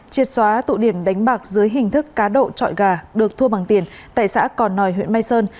triệt xóa tụ điểm đánh bạc dưới hình thức cá độ trọi gà được thua bằng tiền tại xã còn nòi huyện mai sơn